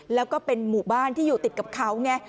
แล้วก็เป็นหมู่บ้านที่อยู่ติดกับเขาไง